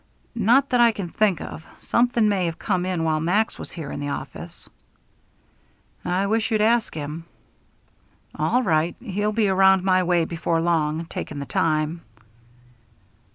"Not that I can think of. Something may have come in while Max was here in the office " "I wish you'd ask him." "All right. He'll be around my way before long, taking the time."